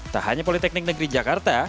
tak hanya politeknik negeri jakarta